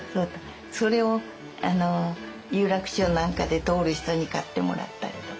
それを有楽町なんかで通る人に買ってもらったりとか。